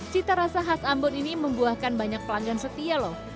cita rasa khas ambon ini membuahkan banyak pelanggan setia loh